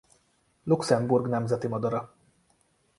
Luxemburg nemzeti madara.